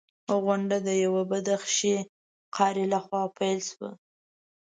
غونډه د یوه بدخشي قاري لخوا پیل شوه.